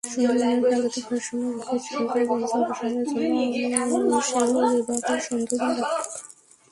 সুন্দরবনের প্রাকৃতিক ভারসাম্য রক্ষায় সেখানকার বর্জ্য অপসারণের জন্যই আনুশেহর এবারের সুন্দরবন-যাত্রা।